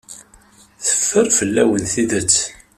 Teffer fell-awen tidet.